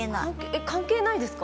えっ関係ないですか？